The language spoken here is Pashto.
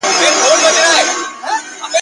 او لوستونکو ته پیغام ورکوي !.